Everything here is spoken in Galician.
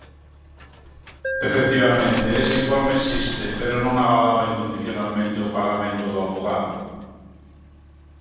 Efectivamente, ese informe existe, pero non avalaba incondicionalmente o pagamento do avogado.